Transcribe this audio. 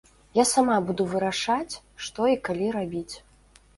Я сама буду вырашаць, што і калі рабіць.